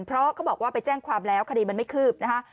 เพราะเขาบอกว่าไปแจ้งความแล้วคดีมันไม่คืบนะคะ